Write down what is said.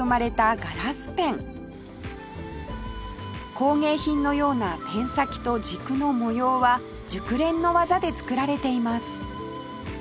工芸品のようなペン先と軸の模様は熟練の技で作られています